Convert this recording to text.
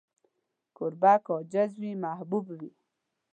کوربه که عاجز وي، محبوب وي.